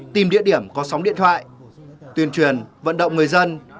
tìm địa điểm có sóng điện thoại tuyên truyền vận động người dân